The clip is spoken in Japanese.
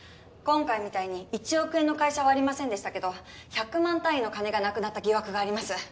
今回みたいに１億円の会社はありませんでしたけど１００万単位の金がなくなった疑惑があります。